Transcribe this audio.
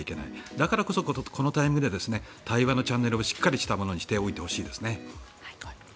だからこそこのタイミングで対話のチャンネルをしっかりしたものにしておいてほしいですね。